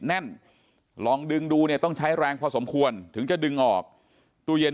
แน่นลองดึงดูเนี่ยต้องใช้แรงพอสมควรถึงจะดึงออกตู้เย็น